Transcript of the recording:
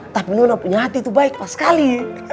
tapi nona punya hati itu baik pas sekali